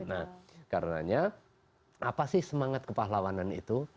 nah karenanya apa sih semangat kepahlawanan itu